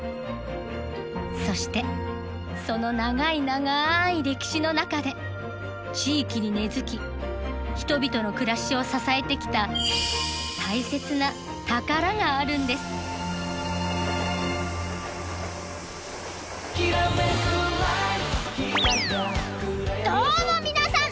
そしてその長い長い歴史の中で地域に根づき人々の暮らしを支えてきた大切な宝があるんですどうも皆さん